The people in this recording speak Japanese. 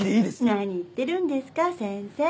何言ってるんですか先生。